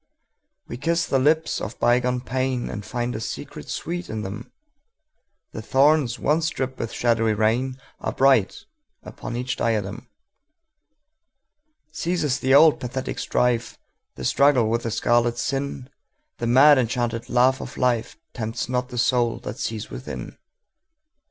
We kiss the lips of bygone painAnd find a secret sweet in them:The thorns once dripped with shadowy rainAre bright upon each diadem. Ceases the old pathetic strife, The struggle with the scarlet sin:The mad enchanted laugh of lifeTempts not the soul that sees within.